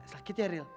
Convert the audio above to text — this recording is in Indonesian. sakit ya ril